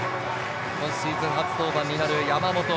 今シーズン初登板になる山本。